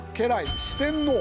四天王。